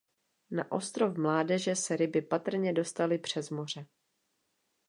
Na ostrov Mládeže se ryby patrně dostaly přes moře.